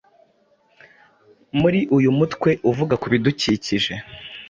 Muri uyu mutwe uvuga ku bidukikije,